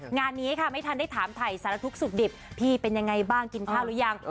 งานนี้ค่ะไม่ทันได้ถามไถสราธุสุมดิปพี่เป็นยังไงบ้างกินข้าวรึยัง